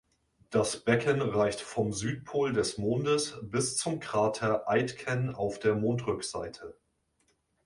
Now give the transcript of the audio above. Das Becken reicht vom Südpol des Mondes bis zum Krater Aitken auf der Mondrückseite.